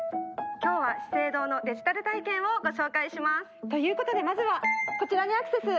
今日は資生堂のデジタル体験をご紹介します！ということでまずはこちらにアクセス！